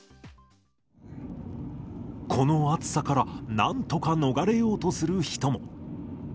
この暑さから、なんとか逃れようとする人も。